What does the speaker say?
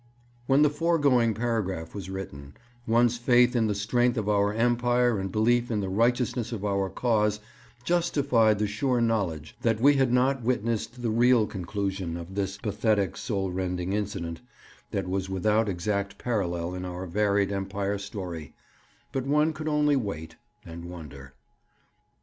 When the foregoing paragraph was written, one's faith in the strength of our Empire and belief in the righteousness of our cause justified the sure knowledge that we had not witnessed the real conclusion of this pathetic soul rending incident, that was without exact parallel in our varied Empire story; but one could only wait and wonder.